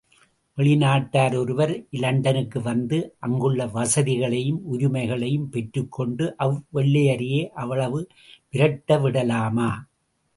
வெளிநாட்டார் ஒருவர், இலண்டனுக்கு வந்து அங்குள்ள வசதிகளையும் உரிமைகளையும் பெற்றுக்கொண்டு, அவ் வெள்ளையரையே அவ்வளவு மிரட்ட விடலாமா?